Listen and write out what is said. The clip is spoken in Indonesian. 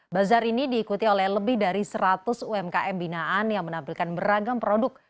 bazar ini diikuti oleh lebih dari seratus umkm binaan yang menampilkan beragam produk